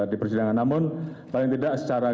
diperjadikan namun paling tidak secara